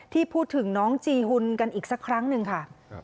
ที่พูดถึงน้องจีหุ่นกันอีกสักครั้งหนึ่งค่ะ